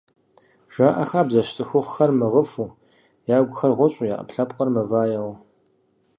Жаӏэ хабзэщ цӏыхухъухэр мыгъыфу, ягухэр гъущӏу я ӏэпкълъэпкъхэр мываэу…